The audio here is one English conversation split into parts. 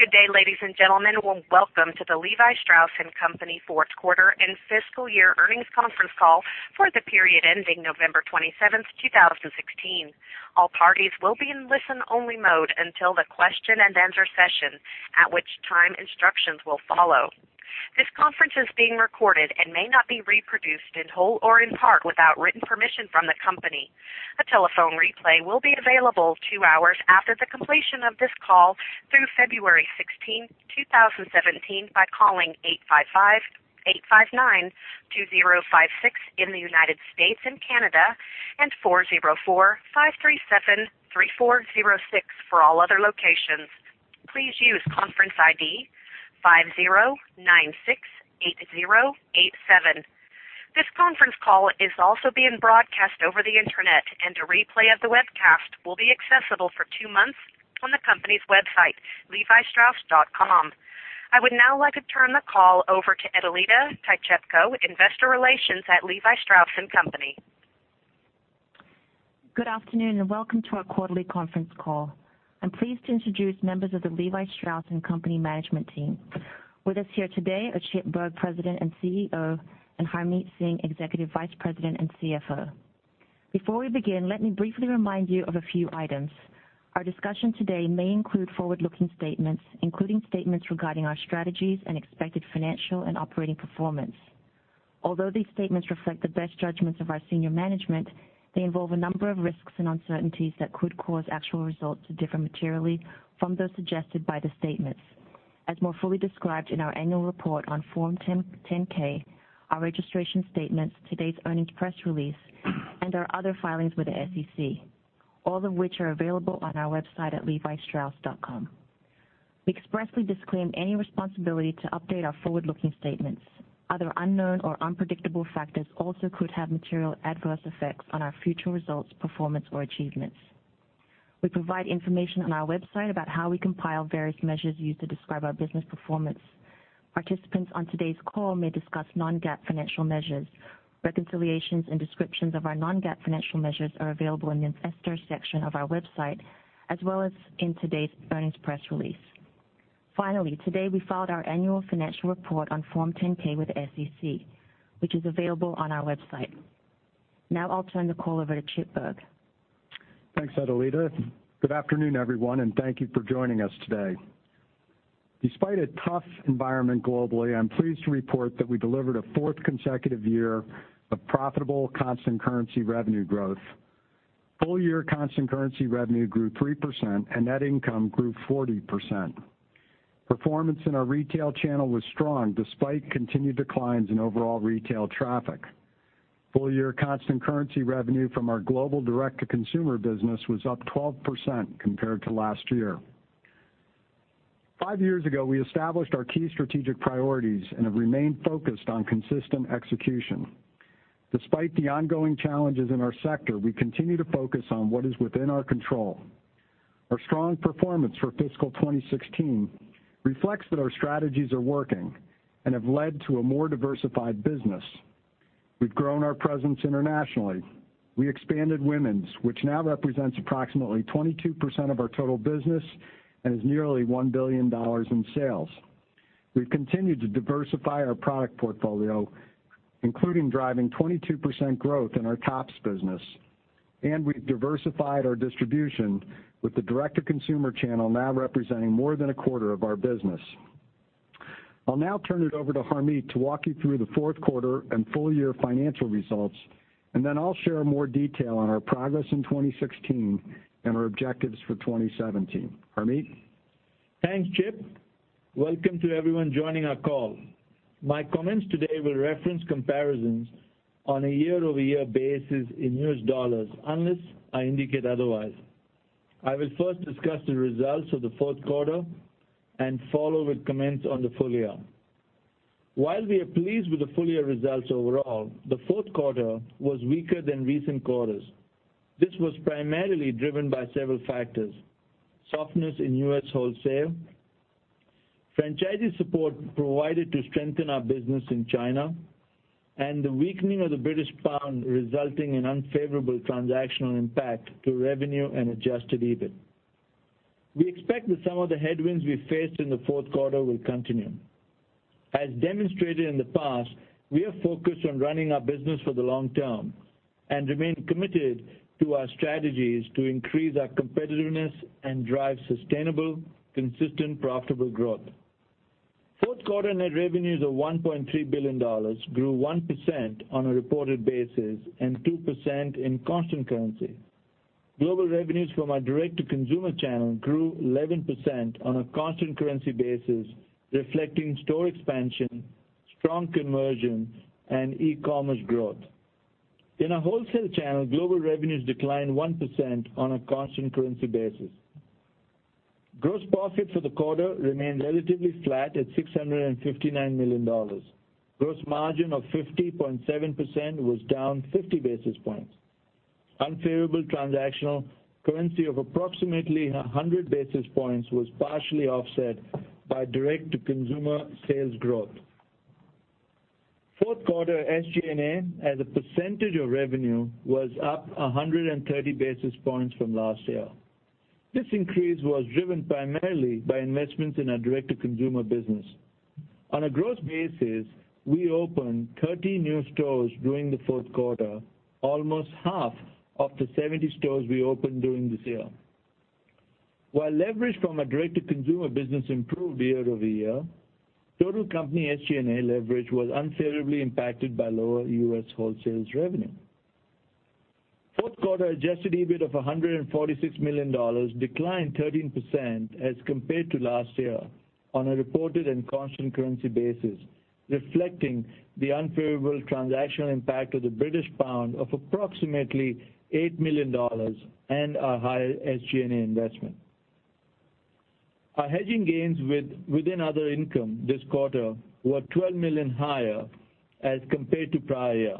Good day, ladies and gentlemen. Welcome to the Levi Strauss & Co. fourth quarter and fiscal year earnings conference call for the period ending November 27, 2016. All parties will be in listen-only mode until the question and answer session, at which time instructions will follow. This conference is being recorded and may not be reproduced in whole or in part without written permission from the company. A telephone replay will be available two hours after the completion of this call through February 16, 2017, by calling 855-859-2056 in the U.S. and Canada, and 404-537-3406 for all other locations. Please use conference ID 50968087. This conference call is also being broadcast over the internet, and a replay of the webcast will be accessible for two months on the company's website, levistrauss.com. I would now like to turn the call over to Edelita Tichepco, Investor Relations at Levi Strauss & Co. Good afternoon, and welcome to our quarterly conference call. I'm pleased to introduce members of the Levi Strauss & Co. management team. With us here today are Chip Bergh, President and CEO, and Harmit Singh, Executive Vice President and CFO. Before we begin, let me briefly remind you of a few items. Our discussion today may include forward-looking statements, including statements regarding our strategies and expected financial and operating performance. Although these statements reflect the best judgments of our senior management, they involve a number of risks and uncertainties that could cause actual results to differ materially from those suggested by the statements, as more fully described in our annual report on Form 10-K, our registration statements, today's earnings press release, and our other filings with the SEC, all of which are available on our website at levistrauss.com. We expressly disclaim any responsibility to update our forward-looking statements. Other unknown or unpredictable factors also could have material adverse effects on our future results, performance, or achievements. We provide information on our website about how we compile various measures used to describe our business performance. Participants on today's call may discuss non-GAAP financial measures. Reconciliations and descriptions of our non-GAAP financial measures are available in the investor section of our website, as well as in today's earnings press release. Finally, today, we filed our annual financial report on Form 10-K with the SEC, which is available on our website. Now I'll turn the call over to Chip Bergh. Thanks, Edelita. Good afternoon, everyone, and thank you for joining us today. Despite a tough environment globally, I'm pleased to report that we delivered a fourth consecutive year of profitable constant currency revenue growth. Full-year constant currency revenue grew 3% and net income grew 40%. Performance in our retail channel was strong despite continued declines in overall retail traffic. Full-year constant currency revenue from our global direct-to-consumer business was up 12% compared to last year. Five years ago, we established our key strategic priorities and have remained focused on consistent execution. Despite the ongoing challenges in our sector, we continue to focus on what is within our control. Our strong performance for fiscal 2016 reflects that our strategies are working and have led to a more diversified business. We've grown our presence internationally. We expanded women's, which now represents approximately 22% of our total business and is nearly $1 billion in sales. We've continued to diversify our product portfolio, including driving 22% growth in our tops business, and we've diversified our distribution with the direct-to-consumer channel now representing more than a quarter of our business. I'll now turn it over to Harmit to walk you through the fourth quarter and full-year financial results, and then I'll share more detail on our progress in 2016 and our objectives for 2017. Harmit? Thanks, Chip. Welcome to everyone joining our call. My comments today will reference comparisons on a year-over-year basis in U.S. dollars, unless I indicate otherwise. I will first discuss the results of the fourth quarter and follow with comments on the full year. While we are pleased with the full-year results overall, the fourth quarter was weaker than recent quarters. This was primarily driven by several factors, softness in U.S. wholesale, franchisee support provided to strengthen our business in China, and the weakening of the British pound resulting in unfavorable transactional impact to revenue and adjusted EBIT. We expect that some of the headwinds we faced in the fourth quarter will continue. As demonstrated in the past, we are focused on running our business for the long term and remain committed to our strategies to increase our competitiveness and drive sustainable, consistent, profitable growth. Fourth quarter net revenues of $1.3 billion grew 1% on a reported basis and 2% in constant currency. Global revenues from our direct-to-consumer channel grew 11% on a constant currency basis, reflecting store expansion, strong conversion, and e-commerce growth. In our wholesale channel, global revenues declined 1% on a constant currency basis. Gross profit for the quarter remained relatively flat at $659 million. Gross margin of 50.7% was down 50 basis points. Unfavorable transactional currency of approximately 100 basis points was partially offset by direct-to-consumer sales growth. Fourth quarter SG&A as a percentage of revenue was up 130 basis points from last year. This increase was driven primarily by investments in our direct-to-consumer business. On a gross basis, we opened 30 new stores during the fourth quarter, almost half of the 70 stores we opened during this year. While leverage from our direct-to-consumer business improved year-over-year, total company SG&A leverage was unfavorably impacted by lower U.S. wholesale revenue. Fourth quarter adjusted EBIT of $146 million declined 13% as compared to last year on a reported and constant currency basis, reflecting the unfavorable transactional impact of the British pound of approximately $8 million and our higher SG&A investment. Our hedging gains within other income this quarter were $12 million higher as compared to prior year.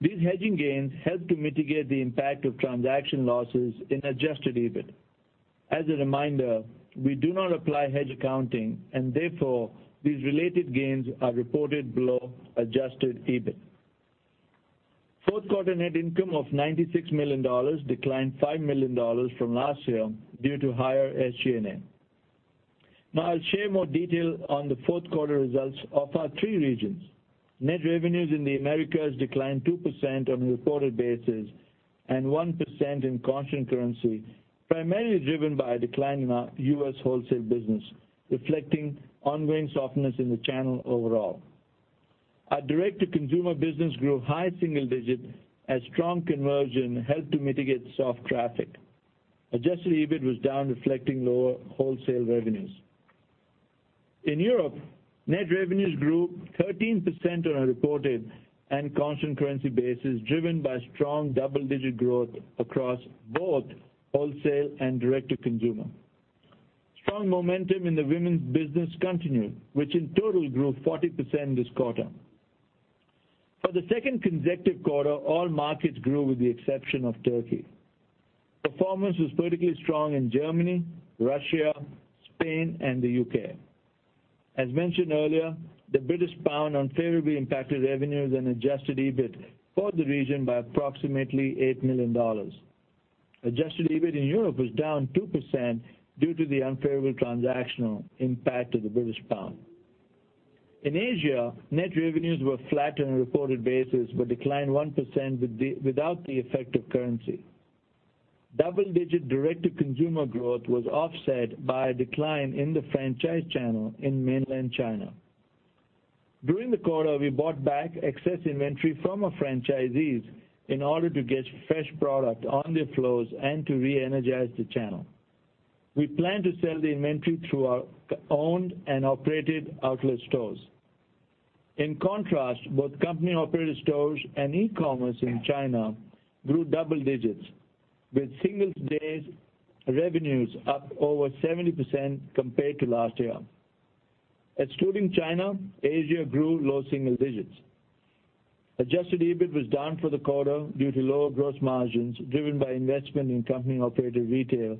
These hedging gains helped to mitigate the impact of transaction losses in adjusted EBIT. As a reminder, we do not apply hedge accounting and therefore, these related gains are reported below adjusted EBIT. Fourth quarter net income of $96 million declined $5 million from last year due to higher SG&A. I'll share more detail on the fourth quarter results of our three regions. Net revenues in the Americas declined 2% on a reported basis and 1% in constant currency, primarily driven by a decline in our U.S. wholesale business, reflecting ongoing softness in the channel overall. Our direct-to-consumer business grew high single digit as strong conversion helped to mitigate soft traffic. Adjusted EBIT was down, reflecting lower wholesale revenues. In Europe, net revenues grew 13% on a reported and constant currency basis, driven by strong double-digit growth across both wholesale and direct-to-consumer. Strong momentum in the women's business continued, which in total grew 40% this quarter. For the second consecutive quarter, all markets grew with the exception of Turkey. Performance was particularly strong in Germany, Russia, Spain, and the U.K. As mentioned earlier, the British pound unfavorably impacted revenues and adjusted EBIT for the region by approximately $8 million. Adjusted EBIT in Europe was down 2% due to the unfavorable transactional impact of the British pound. In Asia, net revenues were flat on a reported basis, but declined 1% without the effect of currency. Double-digit direct-to-consumer growth was offset by a decline in the franchise channel in mainland China. During the quarter, we bought back excess inventory from our franchisees in order to get fresh product on their floors and to reenergize the channel. We plan to sell the inventory through our owned and operated outlet stores. In contrast, both company-operated stores and e-commerce in China grew double digits, with Singles' Day revenues up over 70% compared to last year. Excluding China, Asia grew low single digits. Adjusted EBIT was down for the quarter due to lower gross margins driven by investment in company-operated retail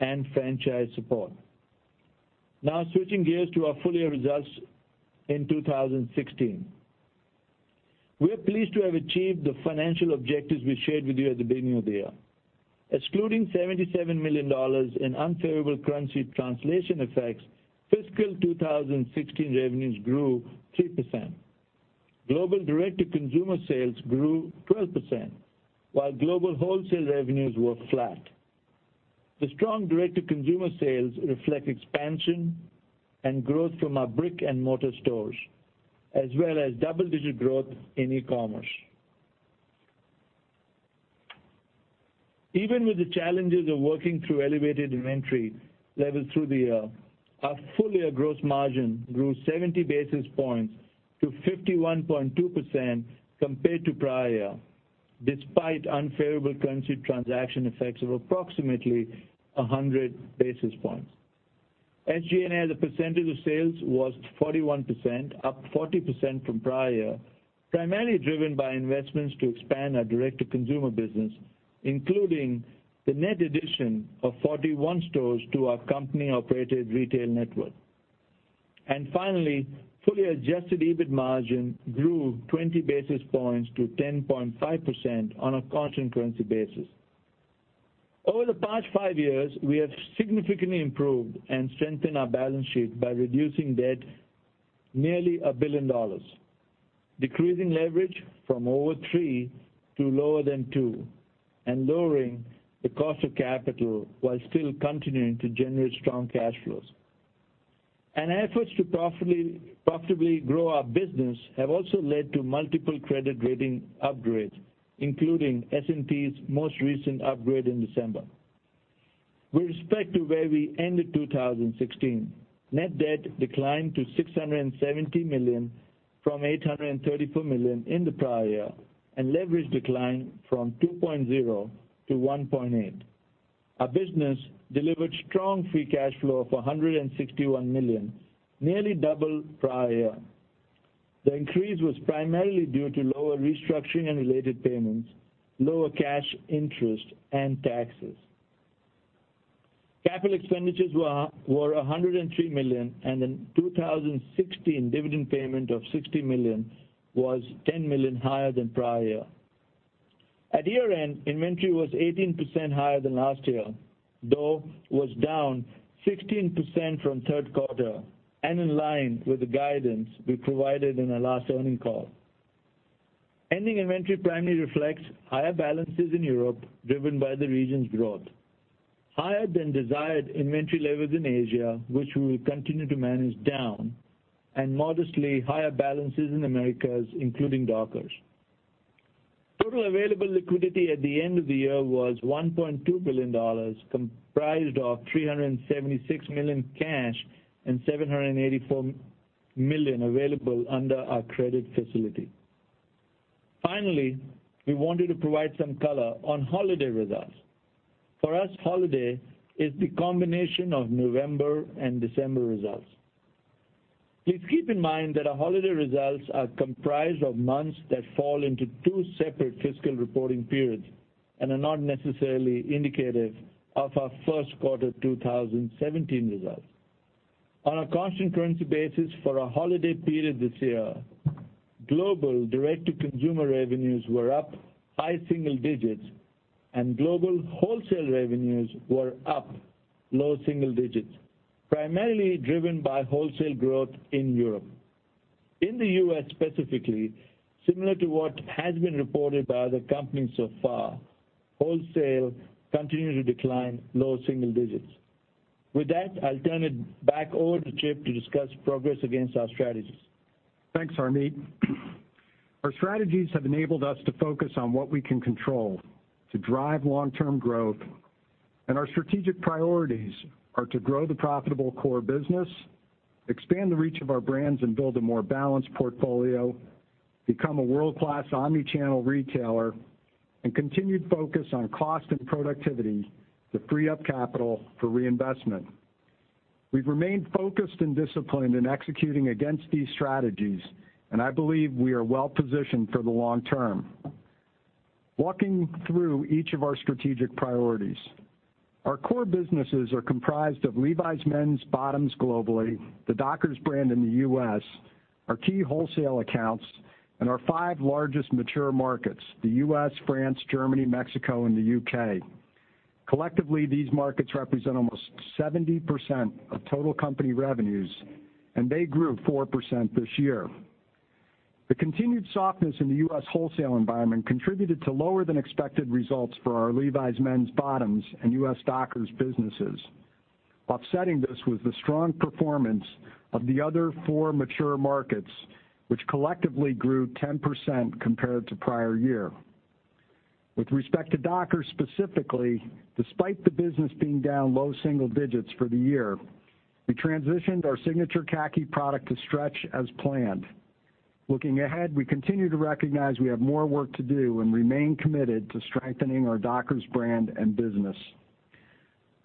and franchise support. Switching gears to our full-year results in 2016. We are pleased to have achieved the financial objectives we shared with you at the beginning of the year. Excluding $77 million in unfavorable currency translation effects, fiscal 2016 revenues grew 3%. Global direct-to-consumer sales grew 12%, while global wholesale revenues were flat. The strong direct-to-consumer sales reflect expansion and growth from our brick-and-mortar stores, as well as double-digit growth in e-commerce. Even with the challenges of working through elevated inventory levels through the year, our full-year gross margin grew 70 basis points to 51.2% compared to prior year, despite unfavorable currency transaction effects of approximately 100 basis points. SG&A as a percentage of sales was 41%, up 40% from prior year, primarily driven by investments to expand our direct-to-consumer business, including the net addition of 41 stores to our company-operated retail network. Finally, fully adjusted EBIT margin grew 20 basis points to 10.5% on a constant currency basis. Over the past five years, we have significantly improved and strengthened our balance sheet by reducing debt nearly $1 billion, decreasing leverage from over $3billion to lower than $2 billion, and lowering the cost of capital while still continuing to generate strong cash flows. Efforts to profitably grow our business have also led to multiple credit rating upgrades, including S&P's most recent upgrade in December. With respect to where we ended 2016, net debt declined to $670 million from $834 million in the prior year, and leverage declined from 2.0 to 1.8. Our business delivered strong free cash flow of $161 million, nearly double prior year. The increase was primarily due to lower restructuring and related payments, lower cash interest, and taxes. Capital expenditures were $103 million. In 2016, dividend payment of $60 million was $10 million higher than prior year. At year-end, inventory was 18% higher than last year, though was down 16% from third quarter. In line with the guidance we provided in our last earning call, ending inventory primarily reflects higher balances in Europe, driven by the region's growth. Modestly higher than desired inventory levels in Asia, which we will continue to manage down, and modestly higher balances in Americas, including Dockers. Total available liquidity at the end of the year was $1.2 billion, comprised of $376 million cash and $784 million available under our credit facility. Finally, we wanted to provide some color on holiday results. For us, holiday is the combination of November and December results. Please keep in mind that our holiday results are comprised of months that fall into two separate fiscal reporting periods and are not necessarily indicative of our first quarter 2017 results. On a constant currency basis for our holiday period this year, global direct-to-consumer revenues were up high single digits. Global wholesale revenues were up low single digits, primarily driven by wholesale growth in Europe. In the U.S. specifically, similar to what has been reported by other companies so far, wholesale continued to decline low single digits. With that, I'll turn it back over to Chip to discuss progress against our strategies. Thanks, Harmit. Our strategies have enabled us to focus on what we can control to drive long-term growth. Our strategic priorities are to grow the profitable core business, expand the reach of our brands, and build a more balanced portfolio, become a world-class omni-channel retailer, and continued focus on cost and productivity to free up capital for reinvestment. We've remained focused and disciplined in executing against these strategies. I believe we are well-positioned for the long term. Walking through each of our strategic priorities. Our core businesses are comprised of Levi's men's bottoms globally, the Dockers brand in the U.S., our key wholesale accounts, and our five largest mature markets, the U.S., France, Germany, Mexico, and the U.K. Collectively, these markets represent almost 70% of total company revenues. They grew 4% this year. The continued softness in the U.S. wholesale environment contributed to lower than expected results for our Levi's men's bottoms and U.S. Dockers businesses. Offsetting this was the strong performance of the other four mature markets, which collectively grew 10% compared to prior year. With respect to Dockers specifically, despite the business being down low single digits for the year, we transitioned our Signature Khaki product to stretch as planned. Looking ahead, we continue to recognize we have more work to do and remain committed to strengthening our Dockers brand and business.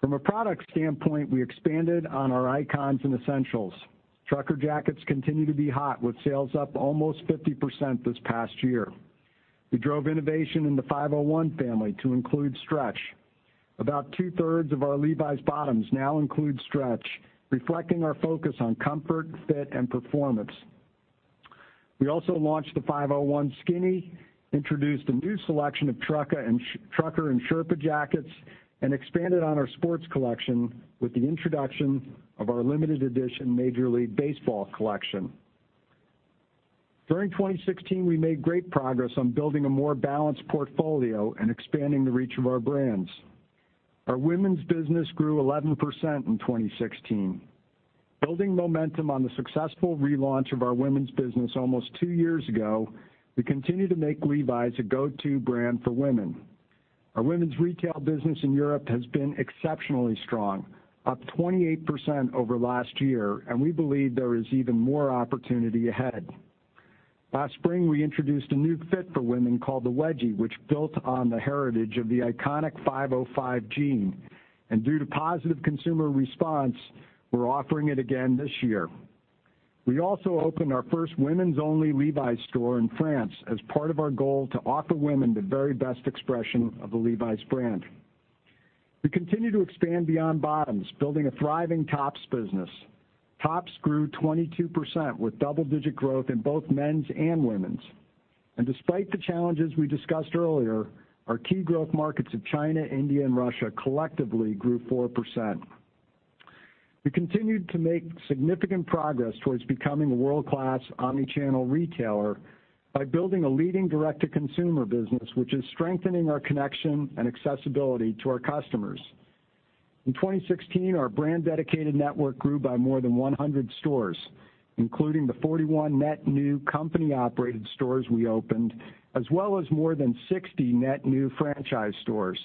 From a product standpoint, we expanded on our icons and essential Trucker jackets continue to be hot, with sales up almost 50% this past year. We drove innovation in thes. 501 family to include stretch. About 2/3 of our Levi's bottoms now include stretch, reflecting our focus on comfort, fit, and performance. We also launched the 501 Skinny, introduced a new selection of Trucker and Sherpa jackets, and expanded on our sports collection with the introduction of our limited edition Major League Baseball collection. During 2016, we made great progress on building a more balanced portfolio and expanding the reach of our brands. Our women's business grew 11% in 2016. Building momentum on the successful relaunch of our women's business almost two years ago, we continue to make Levi's a go-to brand for women. Our women's retail business in Europe has been exceptionally strong, up 28% over last year, and we believe there is even more opportunity ahead. Last spring, we introduced a new fit for women called the Wedgie, which built on the heritage of the iconic 505 jean. Due to positive consumer response, we're offering it again this year. We also opened our first women's only Levi's store in France as part of our goal to offer women the very best expression of the Levi's brand. We continue to expand beyond bottoms, building a thriving tops business. Tops grew 22% with double-digit growth in both men's and women's. Despite the challenges we discussed earlier, our key growth markets of China, India, and Russia collectively grew 4%. We continued to make significant progress towards becoming a world-class omni-channel retailer by building a leading direct-to-consumer business, which is strengthening our connection and accessibility to our customers. In 2016, our brand-dedicated network grew by more than 100 stores, including the 41 net new company-operated stores we opened, as well as more than 60 net new franchise stores.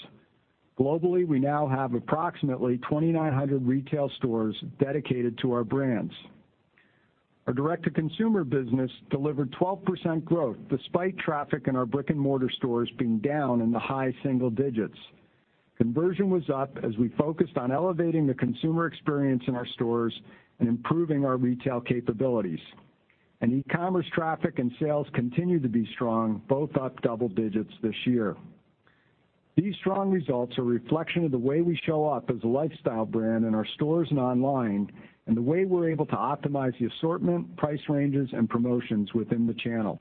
Globally, we now have approximately 2,900 retail stores dedicated to our brands. Our direct-to-consumer business delivered 12% growth despite traffic in our brick-and-mortar stores being down in the high single digits. Conversion was up as we focused on elevating the consumer experience in our stores and improving our retail capabilities. E-commerce traffic and sales continue to be strong, both up double digits this year. These strong results are a reflection of the way we show up as a lifestyle brand in our stores and online, and the way we're able to optimize the assortment, price ranges, and promotions within the channel.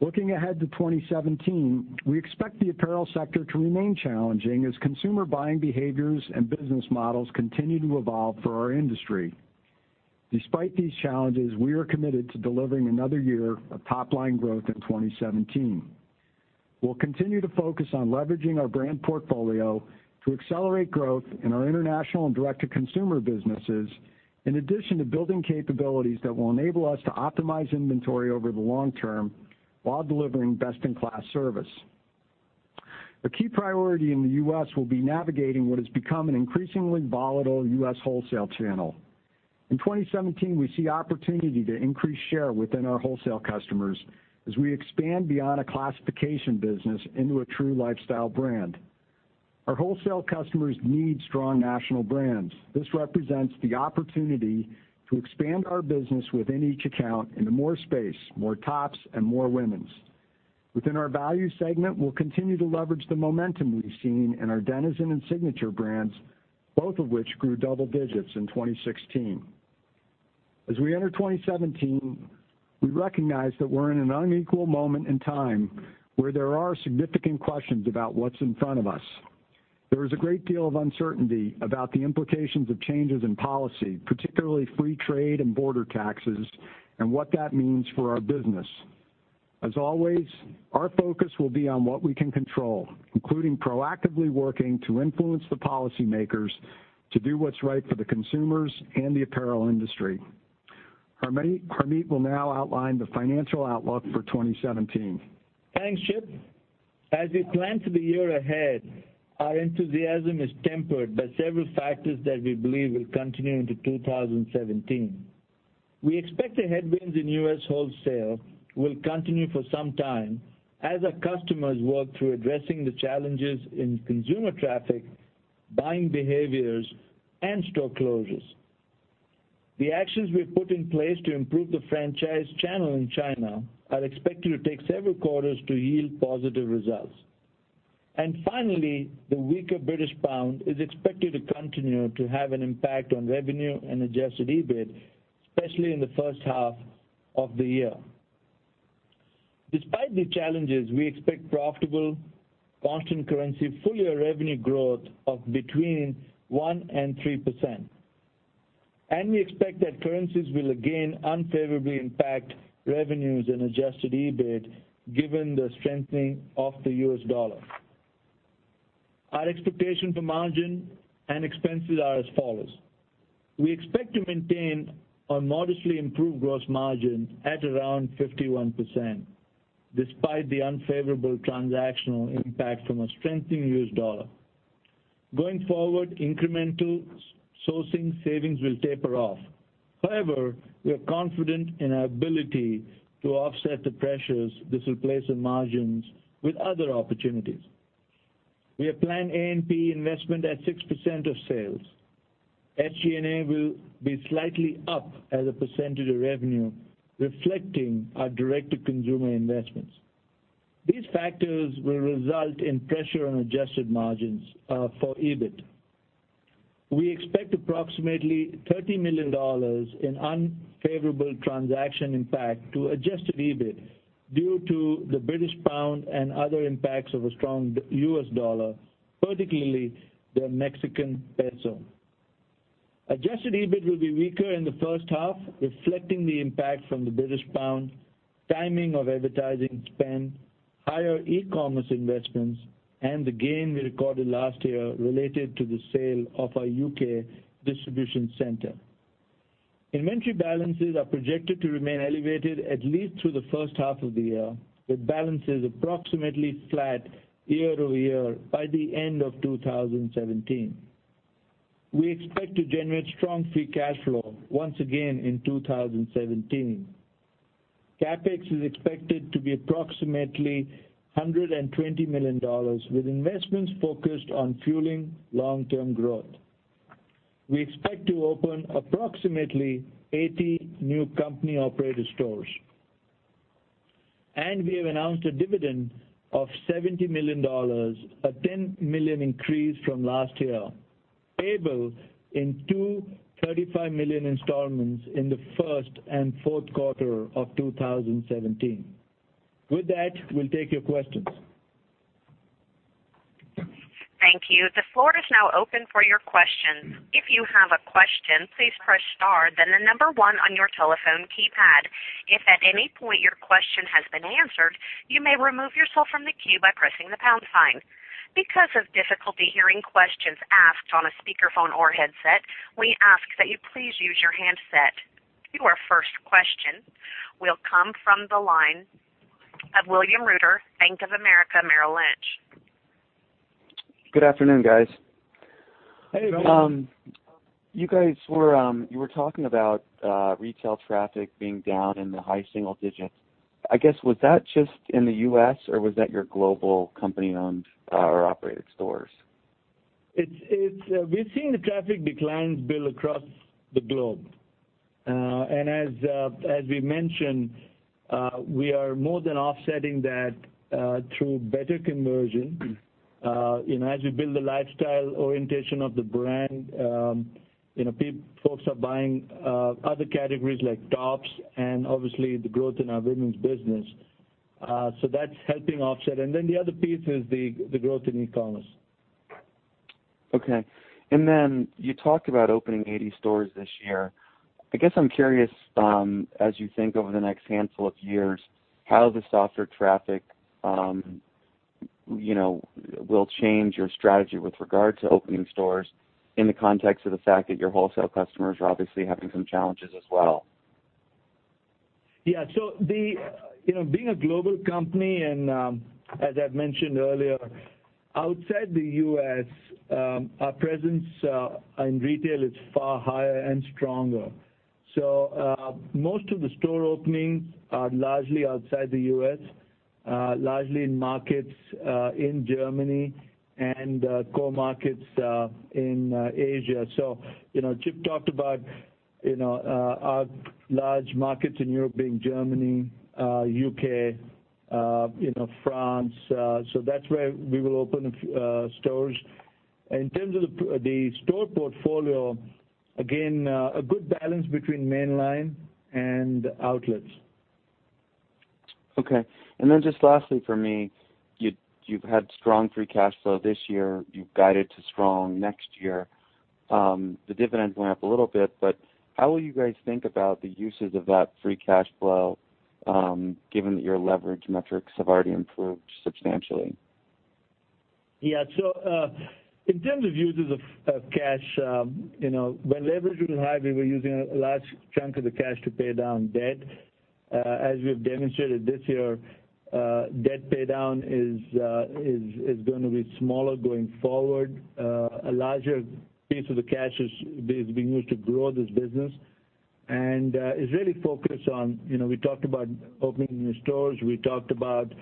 Looking ahead to 2017, we expect the apparel sector to remain challenging as consumer buying behaviors and business models continue to evolve for our industry. Despite these challenges, we are committed to delivering another year of top-line growth in 2017. We'll continue to focus on leveraging our brand portfolio to accelerate growth in our international and direct-to-consumer businesses, in addition to building capabilities that will enable us to optimize inventory over the long term while delivering best-in-class service. A key priority in the U.S. will be navigating what has become an increasingly volatile U.S. wholesale channel. In 2017, we see opportunity to increase share within our wholesale customers as we expand beyond a classification business into a true lifestyle brand. Our wholesale customers need strong national brands. This represents the opportunity to expand our business within each account into more space, more tops, and more women's. Within our value segment, we'll continue to leverage the momentum we've seen in our Denizen and Signature brands, both of which grew double digits in 2016. As we enter 2017, we recognize that we're in an unequal moment in time where there are significant questions about what's in front of us. There is a great deal of uncertainty about the implications of changes in policy, particularly free trade and border taxes, and what that means for our business. As always, our focus will be on what we can control, including proactively working to influence the policymakers to do what's right for the consumers and the apparel industry. Harmit will now outline the financial outlook for 2017. Thanks, Chip. As we plan for the year ahead, our enthusiasm is tempered by several factors that we believe will continue into 2017. We expect the headwinds in U.S. wholesale will continue for some time as our customers work through addressing the challenges in consumer traffic, buying behaviors, and store closures. Finally, the weaker British pound is expected to continue to have an impact on revenue and adjusted EBIT, especially in the first half of the year. Despite the challenges, we expect profitable constant currency full-year revenue growth of between 1% and 3%. We expect that currencies will again unfavorably impact revenues and adjusted EBIT given the strengthening of the U.S. dollar. Our expectation for margin and expenses are as follows. We expect to maintain a modestly improved gross margin at around 51%, despite the unfavorable transactional impact from a strengthening U.S. dollar. Going forward, incremental sourcing savings will taper off. However, we are confident in our ability to offset the pressures this will place on margins with other opportunities. We have planned A&P investment at 6% of sales. SG&A will be slightly up as a percentage of revenue, reflecting our direct-to-consumer investments. These factors will result in pressure on adjusted margins for EBIT. We expect approximately $30 million in unfavorable transaction impact to adjusted EBIT due to the British pound and other impacts of a strong U.S. dollar, particularly the Mexican peso. Adjusted EBIT will be weaker in the first half, reflecting the impact from the British pound, timing of advertising spend, higher e-commerce investments, and the gain we recorded last year related to the sale of our U.K. distribution center. Inventory balances are projected to remain elevated at least through the first half of the year, with balances approximately flat year-over-year by the end of 2017. We expect to generate strong free cash flow once again in 2017. CapEx is expected to be approximately $120 million, with investments focused on fueling long-term growth. We expect to open approximately 80 new company-operated stores. We have announced a dividend of $70 million, a $10 million increase from last year, payable in two $35 million installments in the first and fourth quarter of 2017. With that, we'll take your questions. Thank you. The floor is now open for your questions. If you have a question, please press star, then the number one on your telephone keypad. If at any point your question has been answered, you may remove yourself from the queue by pressing the pound sign. Because of difficulty hearing questions asked on a speakerphone or headset, we ask that you please use your handset. Your first question will come from the line of William Reuter, Bank of America Merrill Lynch. Good afternoon, guys. Hey. You guys were talking about retail traffic being down in the high single digits. I guess, was that just in the U.S. or was that your global company-owned or operated stores? We've seen the traffic declines build across the globe. As we mentioned, we are more than offsetting that through better conversion. As we build the lifestyle orientation of the brand, folks are buying other categories like tops and obviously the growth in our women's business. That's helping offset. The other piece is the growth in e-commerce. You talked about opening 80 stores this year. I guess I'm curious, as you think over the next handful of years, how the softer traffic will change your strategy with regard to opening stores in the context of the fact that your wholesale customers are obviously having some challenges as well. Being a global company and, as I've mentioned earlier, outside the U.S., our presence in retail is far higher and stronger. Most of the store openings are largely outside the U.S., largely in markets in Germany and core markets in Asia. Chip talked about our large markets in Europe being Germany, U.K., France. That's where we will open a few stores. In terms of the store portfolio, again, a good balance between mainline and outlets. Just lastly for me, you've had strong free cash flow this year. You've guided to strong next year. The dividend went up a little bit, how will you guys think about the uses of that free cash flow, given that your leverage metrics have already improved substantially? Yeah. In terms of uses of cash, when leverage was high, we were using a large chunk of the cash to pay down debt. As we've demonstrated this year, debt paydown is going to be smaller going forward. A larger piece of the cash is being used to grow this business, and is really focused on, we talked about opening new stores. We talked about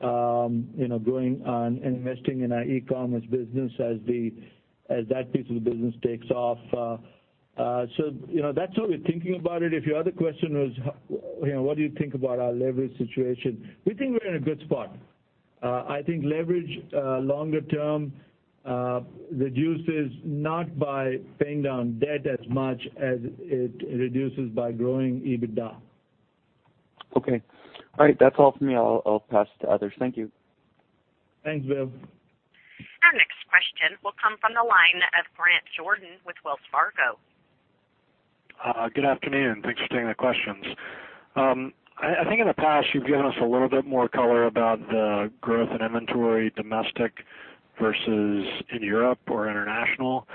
growing and investing in our e-commerce business as that piece of the business takes off. That's how we're thinking about it. If your other question was, what do you think about our leverage situation? We think we're in a good spot. I think leverage, longer term, reduces not by paying down debt as much as it reduces by growing EBITDA. Okay. All right. That's all from me. I'll pass to others. Thank you. Thanks, Bill. Our next question will come from the line of Grant Jordan with Wells Fargo. Good afternoon. Thanks for taking the questions. I think in the past you've given us a little bit more color about the growth in inventory domestic versus in Europe or international.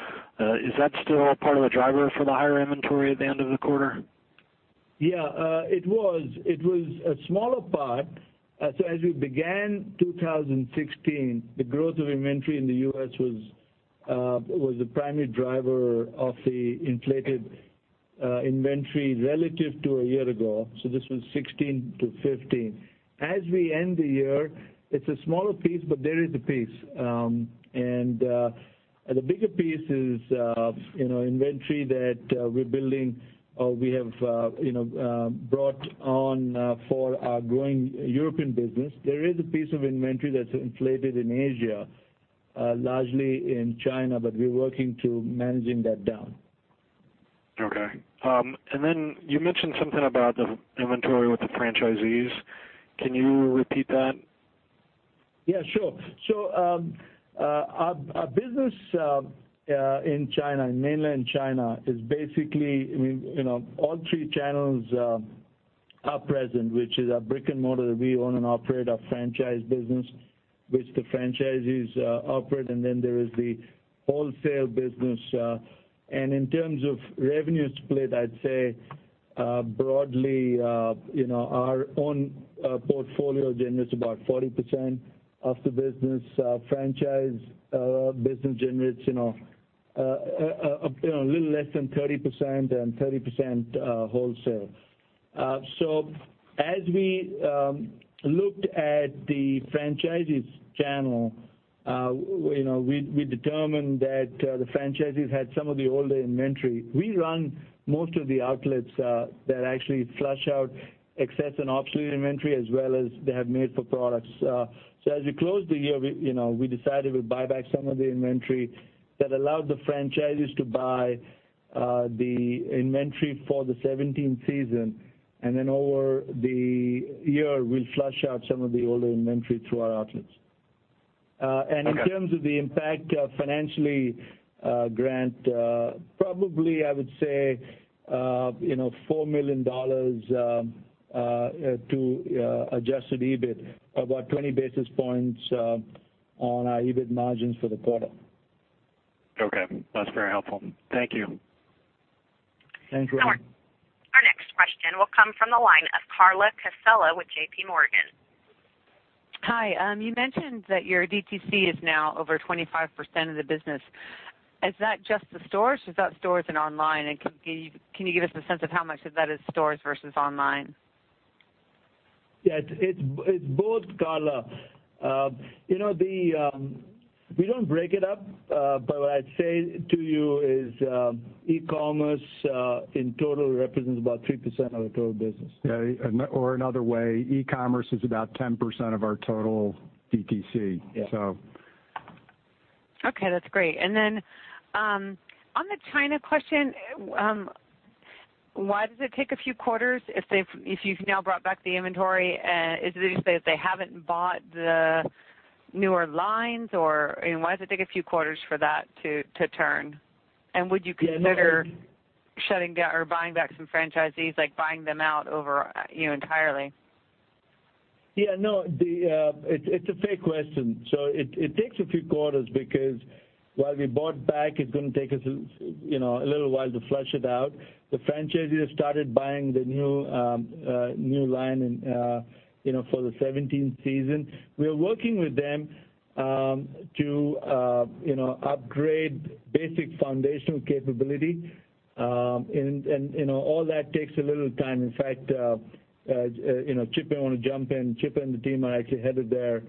Is that still part of the driver for the higher inventory at the end of the quarter? Yeah. It was a smaller part. As we began 2016, the growth of inventory in the U.S. was the primary driver of the inflated inventory relative to a year ago. This was 2016-2015. As we end the year, it's a smaller piece, but there is a piece. The bigger piece is inventory that we're building, or we have brought on for our growing European business. There is a piece of inventory that's inflated in Asia, largely in China, but we're working to managing that down. Okay. You mentioned something about the inventory with the franchisees. Can you repeat that? Yeah, sure. Our business in mainland China is basically all three channels are present, which is our brick and mortar that we own and operate, our franchise business, which the franchisees operate, and there is the wholesale business. In terms of revenue split, I'd say broadly, our own portfolio generates about 40% of the business. Franchise business generates a little less than 30%, and 30% wholesale. As we looked at the franchisees channel, we determined that the franchisees had some of the older inventory. We run most of the outlets that actually flush out excess and obsolete inventory, as well as they have made for products. As we closed the year, we decided we'd buy back some of the inventory that allowed the franchisees to buy the inventory for the 2017 season. Over the year, we'll flush out some of the older inventory through our outlets. Okay. In terms of the impact financially, Grant, probably, I would say, $4 million to adjusted EBIT, about 20 basis points on our EBIT margins for the quarter. Okay. That's very helpful. Thank you. Thanks, Grant. Our next question will come from the line of Carla Casella with JP Morgan. Hi. You mentioned that your DTC is now over 25% of the business. Is that just the stores, or is that stores and online? Can you give us a sense of how much of that is stores versus online? Yeah. It's both, Carla. We don't break it up. What I'd say to you is, e-commerce, in total, represents about 3% of our total business. Yeah. Another way, e-commerce is about 10% of our total DTC. Yeah. So. Okay. That's great. Then, on the China question, why does it take a few quarters if you've now brought back the inventory? Is it that you say that they haven't bought the newer lines, or why does it take a few quarters for that to turn? Would you consider shutting down or buying back some franchisees, like buying them out over entirely? Yeah. No. It's a fair question. It takes a few quarters because while we bought back, it's going to take us a little while to flush it out. The franchisees started buying the new line for the 2017 season. We are working with them to upgrade basic foundational capability. All that takes a little time. In fact Chip and I want to jump in. Chip and the team are actually headed there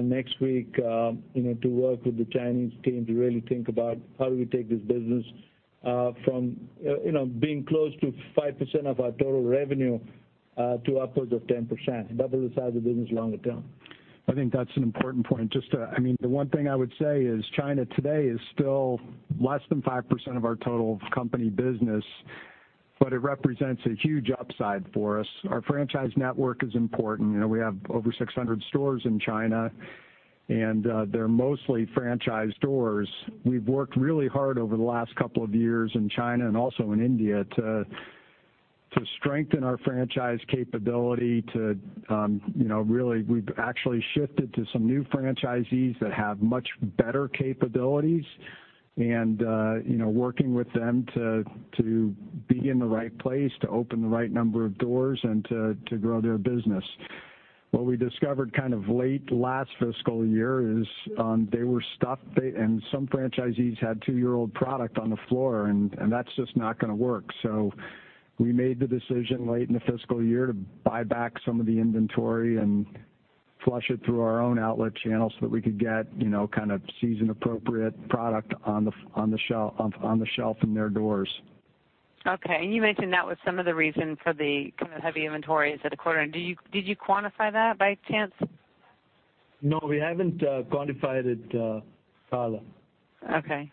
next week to work with the Chinese team to really think about how do we take this business from being close to 5% of our total revenue, to upwards of 10%, double the size of the business longer term. I think that's an important point. The one thing I would say is China today is still less than 5% of our total company business, but it represents a huge upside for us. Our franchise network is important. We have over 600 stores in China, and they're mostly franchise stores. We've worked really hard over the last couple of years in China and also in India to strengthen our franchise capability. We've actually shifted to some new franchisees that have much better capabilities and working with them to be in the right place, to open the right number of doors, and to grow their business. What we discovered late last fiscal year is, they were stuffed, and some franchisees had two-year-old product on the floor, and that's just not going to work. We made the decision late in the fiscal year to buy back some of the inventory and flush it through our own outlet channels so that we could get season-appropriate product on the shelf in their doors. Okay. You mentioned that was some of the reason for the heavy inventory. Is that a quarter? Did you quantify that by chance? No, we haven't quantified it, Carla. Okay.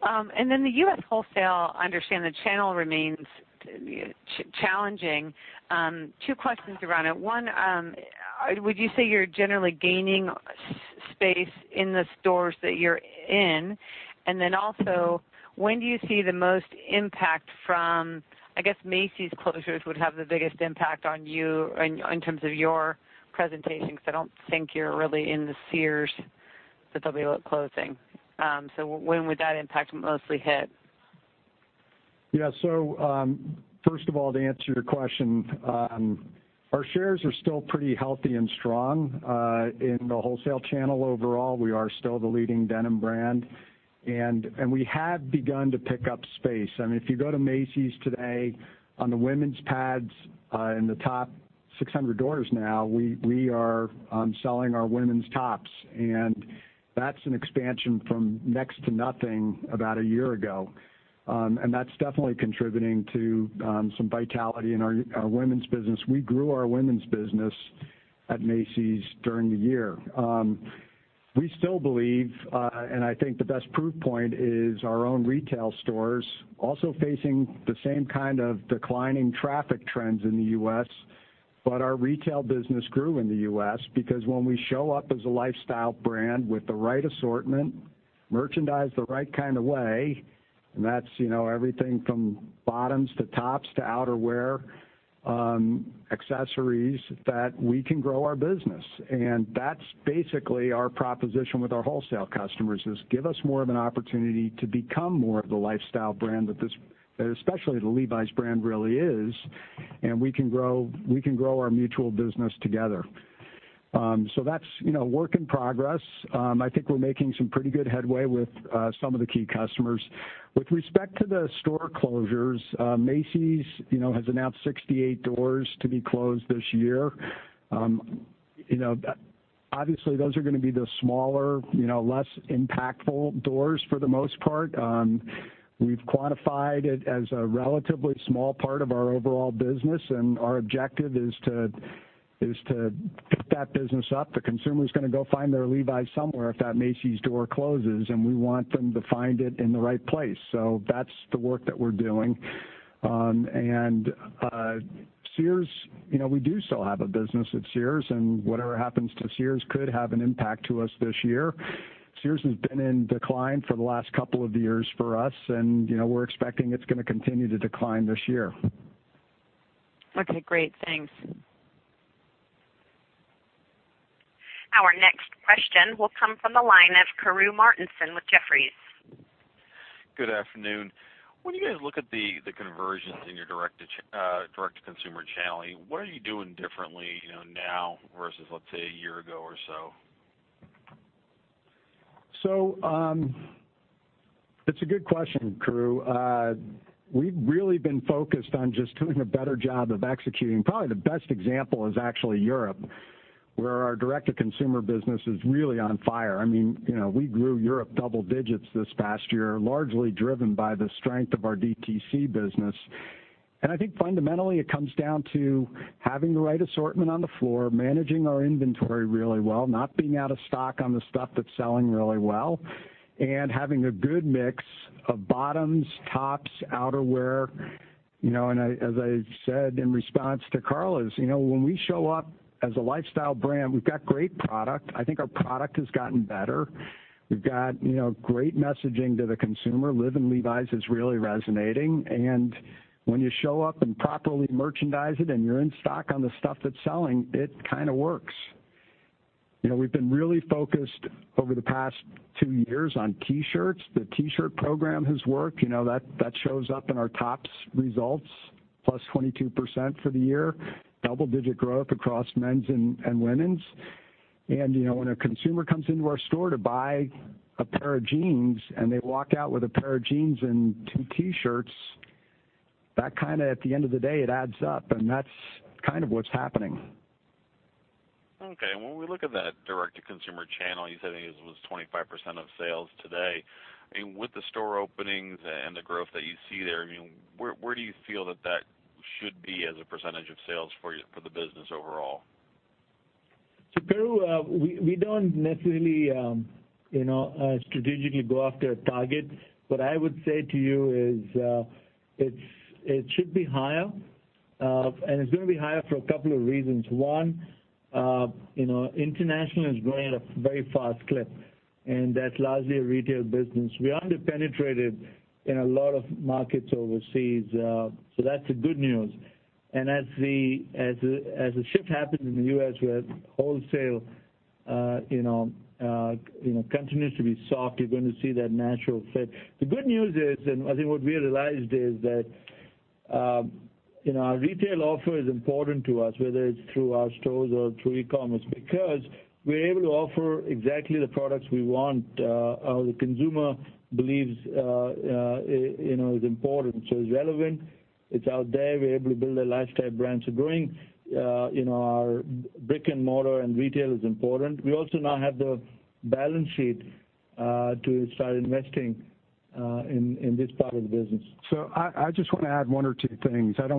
The U.S. wholesale, I understand the channel remains challenging. Two questions around it. One, would you say you're generally gaining space in the stores that you're in? When do you see the most impact from, I guess Macy's closures would have the biggest impact on you in terms of your presentation, because I don't think you're really in the Sears that they'll be closing. When would that impact mostly hit? Yeah. First of all, to answer your question, our shares are still pretty healthy and strong. In the wholesale channel overall, we are still the leading denim brand, and we have begun to pick up space. If you go to Macy's today on the women's pads, in the top 600 doors now, we are selling our women's tops, and that's an expansion from next to nothing about a year ago. That's definitely contributing to some vitality in our women's business. We grew our women's business at Macy's during the year. We still believe, I think the best proof point is our own retail stores, also facing the same kind of declining traffic trends in the U.S., our retail business grew in the U.S. because when we show up as a lifestyle brand with the right assortment, merchandise the right kind of way, that's everything from bottoms to tops to outerwear, accessories, that we can grow our business. That's basically our proposition with our wholesale customers, is give us more of an opportunity to become more of the lifestyle brand that especially the Levi's brand really is, and we can grow our mutual business together. That's work in progress. I think we're making some pretty good headway with some of the key customers. With respect to the store closures, Macy's has announced 68 doors to be closed this year. Obviously, those are going to be the smaller, less impactful doors for the most part. We've quantified it as a relatively small part of our overall business, and our objective is to pick that business up. The consumer's going to go find their Levi's somewhere if that Macy's door closes, and we want them to find it in the right place. That's the work that we're doing. Sears, we do still have a business at Sears, and whatever happens to Sears could have an impact to us this year. Sears has been in decline for the last couple of years for us, and we're expecting it's going to continue to decline this year. Okay, great. Thanks. Our next question will come from the line of Karu Martinson with Jefferies. Good afternoon. When you guys look at the conversions in your direct-to-consumer channeling, what are you doing differently now versus, let's say, a year ago or so? It's a good question, Karu. We've really been focused on just doing a better job of executing. Probably the best example is actually Europe, where our direct-to-consumer business is really on fire. We grew Europe double digits this past year, largely driven by the strength of our DTC business. I think fundamentally, it comes down to having the right assortment on the floor, managing our inventory really well, not being out of stock on the stuff that's selling really well, and having a good mix of bottoms, tops, outerwear. As I said in response to Carla is, when we show up as a lifestyle brand, we've got great product. I think our product has gotten better. We've got great messaging to the consumer. Live in Levi's® is really resonating. When you show up and properly merchandise it, and you're in stock on the stuff that's selling, it kind of works. We've been really focused over the past two years on T-shirts. The T-shirt program has worked. That shows up in our tops results, +22% for the year, double-digit growth across men's and women's. When a consumer comes into our store to buy a pair of jeans, and they walk out with a pair of jeans and two T-shirts, that at the end of the day, it adds up. That's what's happening. Okay. When we look at that direct-to-consumer channel, you said it was 25% of sales today. With the store openings and the growth that you see there, where do you feel that that should be as a percentage of sales for the business overall? Karu, we don't necessarily strategically go after a target. What I would say to you is, it should be higher. It's going to be higher for a couple of reasons. One, international is growing at a very fast clip, and that's largely a retail business. We're under-penetrated in a lot of markets overseas. That's the good news. As the shift happens in the U.S., where wholesale continues to be soft, you're going to see that natural effect. The good news is, and I think what we realized is that our retail offer is important to us, whether it's through our stores or through e-commerce, because we're able to offer exactly the products we want, the consumer believes is important. It's relevant. It's out there. We're able to build a lifestyle brand. Growing our brick and mortar and retail is important. We also now have the balance sheet to start investing in this part of the business. I just want to add one or two things. I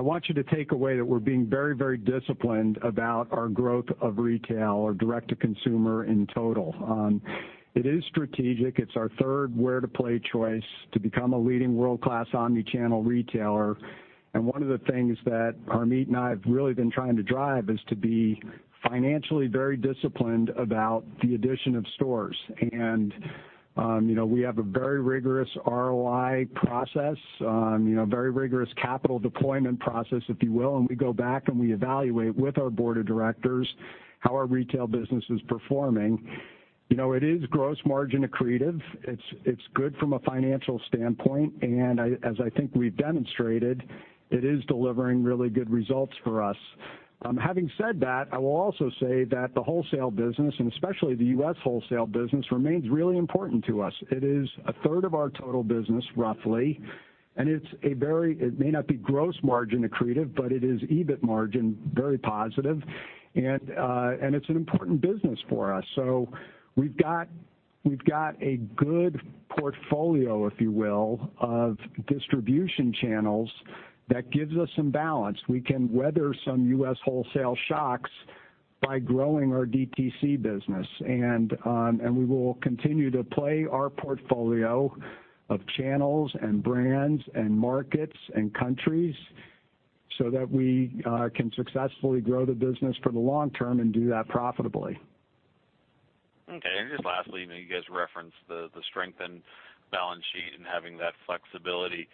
want you to take away that we're being very disciplined about our growth of retail or direct to consumer in total. It is strategic. It's our third where to play choice to become a leading world-class omni-channel retailer. One of the things that Harmit and I have really been trying to drive is to be financially very disciplined about the addition of stores. We have a very rigorous ROI process, very rigorous capital deployment process, if you will. We go back and we evaluate with our board of directors how our retail business is performing. It is gross margin accretive. It's good from a financial standpoint, and as I think we've demonstrated, it is delivering really good results for us. Having said that, I will also say that the wholesale business, and especially the U.S. wholesale business, remains really important to us. It is 1/3 of our total business, roughly, and it may not be gross margin accretive, but it is EBIT margin, very positive. It's an important business for us. We've got a good portfolio, if you will, of distribution channels that gives us some balance. We can weather some U.S. wholesale shocks by growing our DTC business. We will continue to play our portfolio of channels and brands and markets and countries so that we can successfully grow the business for the long term and do that profitably. Okay. Just lastly, you guys referenced the strengthened balance sheet and having that flexibility.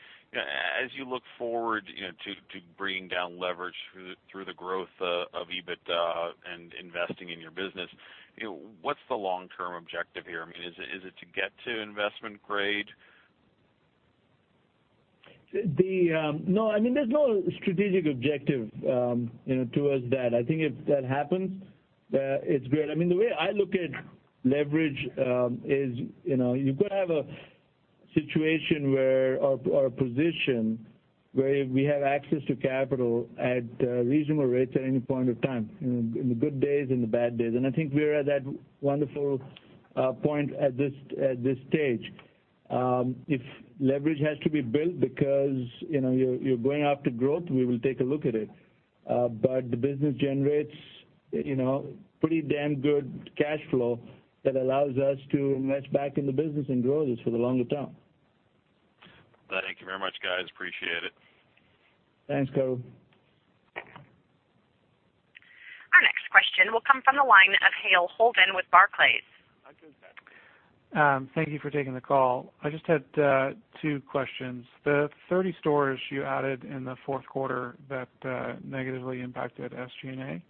As you look forward to bringing down leverage through the growth of EBITDA and investing in your business, what's the long-term objective here? Is it to get to investment grade? No. There's no strategic objective towards that. I think if that happens, it's great. The way I look at leverage is you've got to have a situation where, or a position where we have access to capital at reasonable rates at any point of time, in the good days and the bad days. I think we're at that wonderful point at this stage. If leverage has to be built because you're going after growth, we will take a look at it. The business generates pretty damn good cash flow that allows us to invest back in the business and grow this for the longer-term. Thank you very much, guys. Appreciate it. Thanks, Karu. Our next question will come from the line of Hale Holden with Barclays. Thank you for taking the call. I just had two questions. The 30 stores you added in the fourth quarter that negatively impacted SG&A,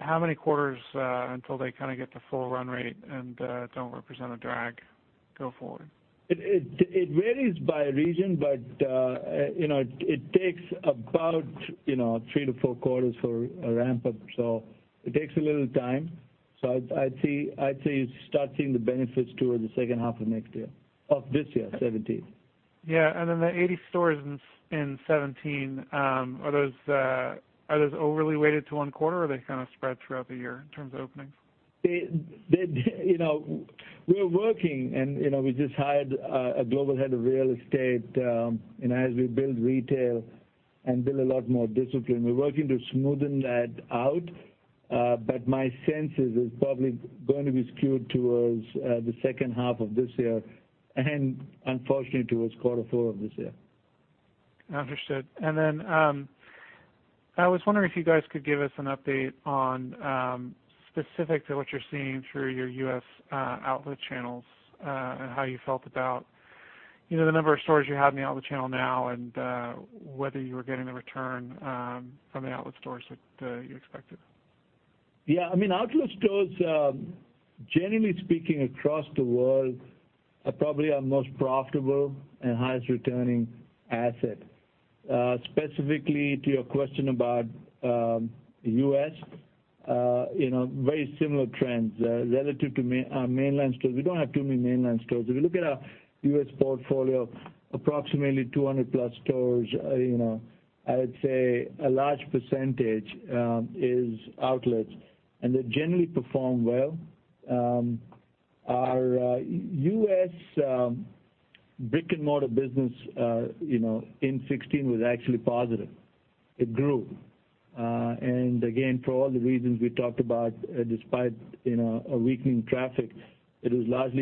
how many quarters until they get to full run rate and don't represent a drag? Go forward. It varies by region, but it takes about three to four quarters for a ramp-up. It takes a little time. I'd say you start seeing the benefits towards the second half of next year, of this year, 2017. The 80 stores in 2017, are those overly weighted to one quarter or are they spread throughout the year in terms of openings? We're working and we just hired a global head of real estate. As we build retail and build a lot more discipline, we're working to smoothen that out. My sense is it's probably going to be skewed towards the second half of this year and unfortunately towards quarter 4 of this year. Understood. I was wondering if you guys could give us an update on specific to what you're seeing through your U.S. outlet channels, and how you felt about the number of stores you have in the outlet channel now and whether you were getting the return from the outlet stores that you expected. Yeah. Outlet stores, generally speaking, across the world, are probably our most profitable and highest returning asset. Specifically to your question about U.S., very similar trends. Relative to our mainland stores, we don't have too many mainland stores. If you look at our U.S. portfolio, approximately 200+ stores, I would say a large percentage is outlets, and they generally perform well. Our U.S. brick-and-mortar business in 2016 was actually positive. It grew. Again, for all the reasons we talked about, despite a weakening traffic, we're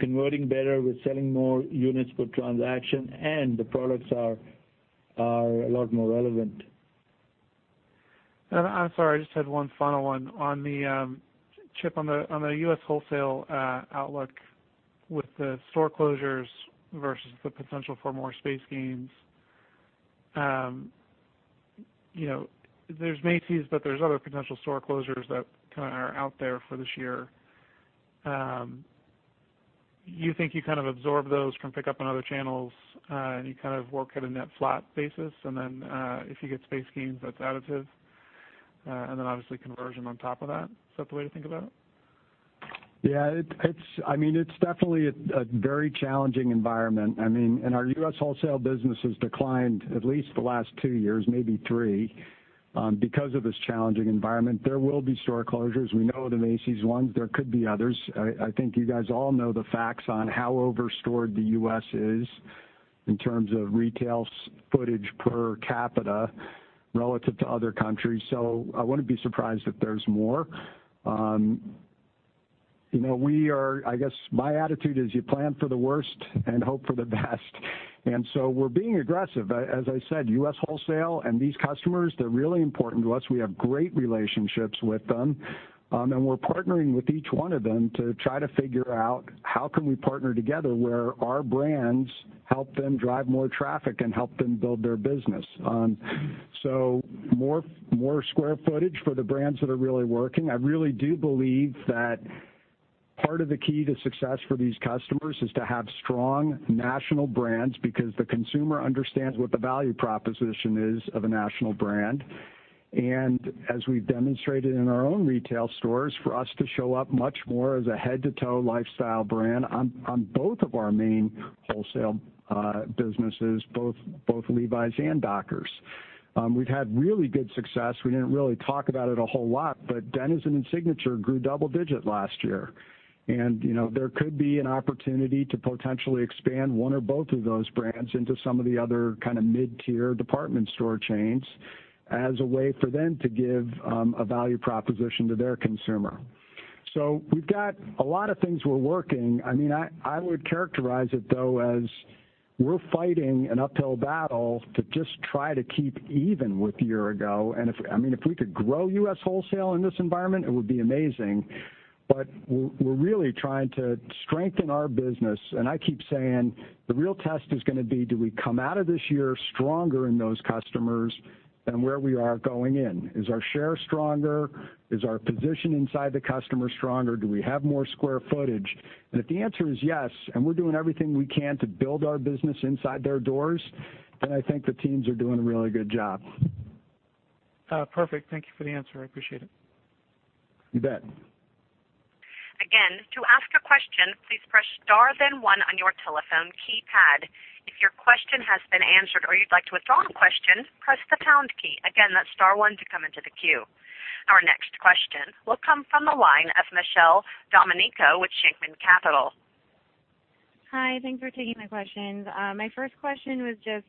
converting better, we're selling more units per transaction, and the products are a lot more relevant. I'm sorry, I just had one final one. Chip, on the U.S. wholesale outlook with the store closures versus the potential for more space gains. There's Macy's, but there's other potential store closures that are out there for this year. You think you absorb those from pick up on other channels, and you work at a net flat basis, and then, if you get space gains, that's additive, and then obviously conversion on top of that. Is that the way to think about it? Yeah. It's definitely a very challenging environment. Our U.S. wholesale business has declined at least the last two years, maybe three, because of this challenging environment. There will be store closures. We know the Macy's ones. There could be others. I think you guys all know the facts on how over-stored the U.S. is in terms of retail footage per capita relative to other countries. I wouldn't be surprised if there's more. I guess my attitude is you plan for the worst and hope for the best. We're being aggressive. As I said, U.S. wholesale and these customers, they're really important to us. We have great relationships with them. We're partnering with each one of them to try to figure out how can we partner together where our brands help them drive more traffic and help them build their business. More square footage for the brands that are really working. I really do believe that part of the key to success for these customers is to have strong national brands because the consumer understands what the value proposition is of a national brand. As we've demonstrated in our own retail stores, for us to show up much more as a head-to-toe lifestyle brand on both of our main wholesale businesses, both Levi's and Dockers. We've had really good success. We didn't really talk about it a whole lot. Denizen and Signature grew double-digit last year. There could be an opportunity to potentially expand one or both of those brands into some of the other mid-tier department store chains as a way for them to give a value proposition to their consumer. We've got a lot of things we're working. I would characterize it though as we're fighting an uphill battle to just try to keep even with a year ago. If we could grow U.S. wholesale in this environment, it would be amazing. We're really trying to strengthen our business. I keep saying the real test is going to be, do we come out of this year stronger in those customers than where we are going in? Is our share stronger? Is our position inside the customer stronger? Do we have more square footage? If the answer is yes, and we're doing everything we can to build our business inside their doors, then I think the teams are doing a really good job. Perfect. Thank you for the answer. I appreciate it. You bet. To ask a question, please press star then one on your telephone keypad. If your question has been answered or you'd like to withdraw a question, press the pound key. That's star one to come into the queue. Our next question will come from the line of Michelle Domenico with Shenkman Capital Management. Hi. Thanks for taking my questions. My first question was just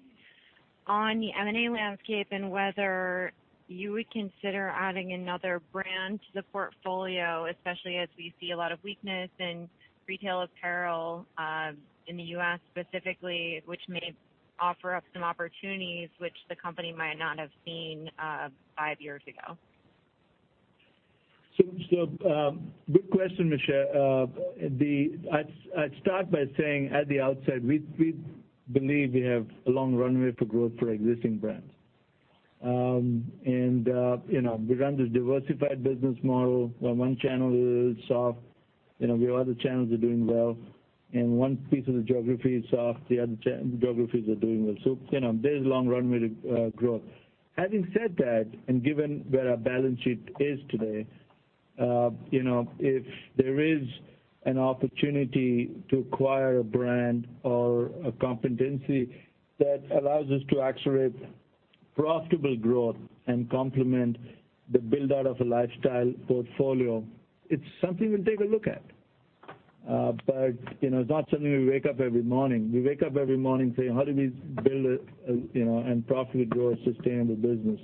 on the M&A landscape and whether you would consider adding another brand to the portfolio, especially as we see a lot of weakness in retail apparel, in the U.S. specifically, which may offer up some opportunities which the company might not have seen five years ago. Good question, Michelle. I'd start by saying at the outset, we believe we have a long runway for growth for our existing brands. We run this diversified business model where one channel is soft, the other channels are doing well. One piece of the geography is soft, the other geographies are doing well. There's a long runway to growth. Having said that, and given where our balance sheet is today, if there is an opportunity to acquire a brand or a competency that allows us to accelerate profitable growth and complement the build-out of a lifestyle portfolio, it's something we'll take a look at. It's not something we wake up every morning. We wake up every morning saying, "How do we build and profitably grow a sustainable business?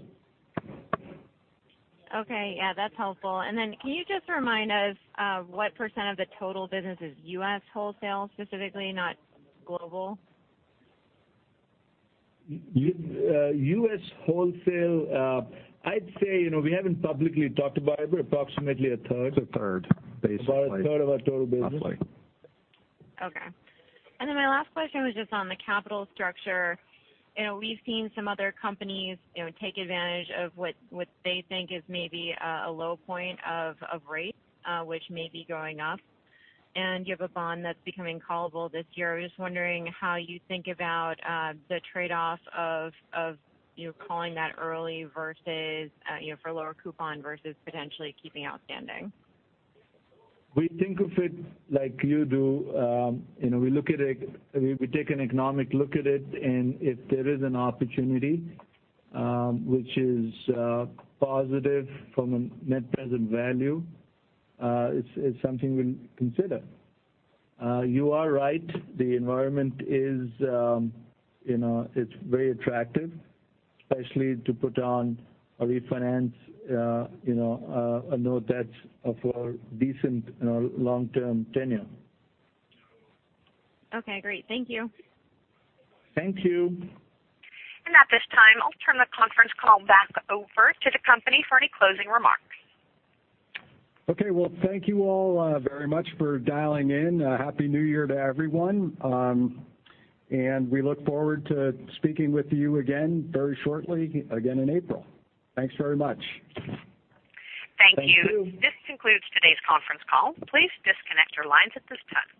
Okay. Yeah, that is helpful. Then can you just remind us what % of the total business is U.S. wholesale specifically, not global? U.S. wholesale, I would say, we haven't publicly talked about it, but approximately 1/3. It is 1/3, basically. About 1/3 of our total business. Roughly. My last question was just on the capital structure. We've seen some other companies take advantage of what they think is maybe a low point of rate, which may be going up. You have a bond that's becoming callable this year. I was just wondering how you think about the trade-off of you calling that early versus, for a lower coupon versus potentially keeping outstanding. We think of it like you do. We take an economic look at it. If there is an opportunity which is positive from a net present value, it's something we'll consider. You are right. The environment is very attractive, especially to put on a refinance, a note debt of a decent long-term tenure. Okay, great. Thank you. Thank you. At this time, I'll turn the conference call back over to the company for any closing remarks. Okay. Well, thank you all very much for dialing in. Happy New Year to everyone. We look forward to speaking with you again very shortly, again in April. Thanks very much. Thank you. Thank you. This concludes today's conference call. Please disconnect your lines at this time.